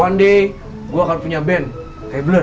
one day gue akan punya band kayak blur